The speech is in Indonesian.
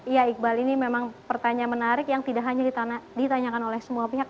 ya iqbal ini memang pertanyaan menarik yang tidak hanya ditanyakan oleh semua pihak